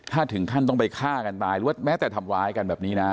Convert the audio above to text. ถ้าถึงขั้นต้องไปฆ่ากันตายหรือว่าแม้แต่ทำร้ายกันแบบนี้นะ